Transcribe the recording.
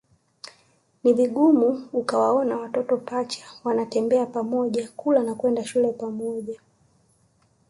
Ni vigumu ukawaona watoto pacha wanaotembea pamoja kula au kwenda shule pamoja